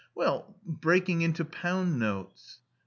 "Well, breaking into pound notes."